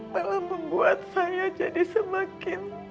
telah membuat saya jadi semakin